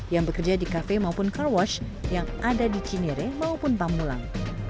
yang bekerja di kafe maupun car wash yang ada di cinere maupun pamulang